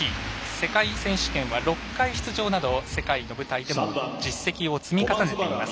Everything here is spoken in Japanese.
世界選手権は６回出場など世界の舞台での実績を積み重ねています。